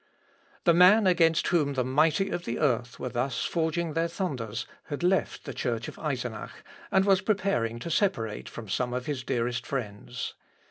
] The man against whom the mighty of the earth were thus forging their thunders had left the Church of Eisenach, and was preparing to separate from some of his dearest friends.